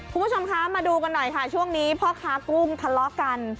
คุณผู้ชมคะมาดูกันหน่อยค่ะช่วงนี้พ่อค้ากุ้งทะเลาะกัน